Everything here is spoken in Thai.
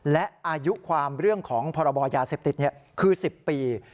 และอายุความเรื่องของพรบยาเสพติดคือ๑๐ปี